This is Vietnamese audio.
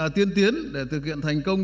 tiến tiến để thực hiện thành công